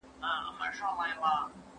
د الله ذکر زړه ته سکون ورکوي.